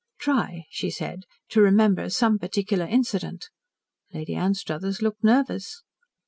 "Try," she said, "to remember some particular incident." Lady Anstruthers looked nervous.